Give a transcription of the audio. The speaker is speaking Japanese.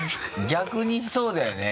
逆にそうだよね。